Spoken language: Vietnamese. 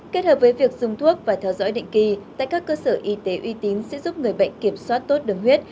kết hợp với việc dùng thuốc và theo dõi định kỳ tại các cơ sở y tế uy tín sẽ giúp người bệnh kiểm soát tốt đường huyết